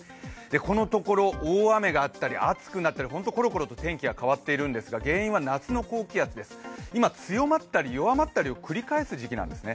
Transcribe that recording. このところ、大雨があったり暑くなったり、本当にころころと天気が変わっているんですが原因は夏の高気圧です、今、強まったり弱まったりを繰り返す時期なんですよね。